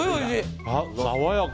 爽やか。